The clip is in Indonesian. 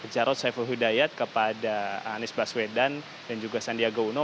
jarod saiful hidayat kepada anies baswedan dan juga sandiaga uno